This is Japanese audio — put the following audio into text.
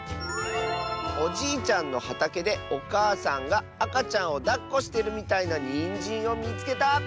「おじいちゃんのはたけでおかあさんがあかちゃんをだっこしてるみたいなニンジンをみつけた！」。